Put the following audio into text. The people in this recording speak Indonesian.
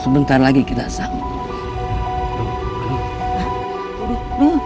sebentar lagi kita sampai